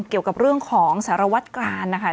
เกี่ยวกับเรื่องของสารวัตกรานนะคะ